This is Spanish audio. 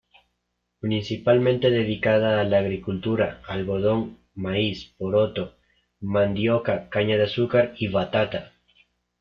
Principalmente dedicada a la agricultura: algodón, maíz, poroto, mandioca, caña de azúcar y batata.